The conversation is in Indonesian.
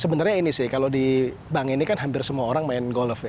sebenarnya ini sih kalau di bank ini kan hampir semua orang main golf ya